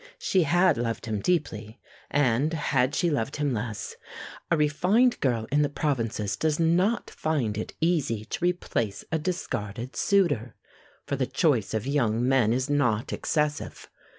She had loved him deeply, and, had she loved him less, a refined girl in the provinces does not find it easy to replace a discarded suitor for the choice of young men is not excessive.